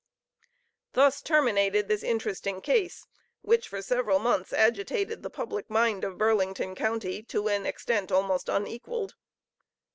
Thus terminated this interesting case, which for several months agitated the public mind of Burlington county, to an extent almost unequalled.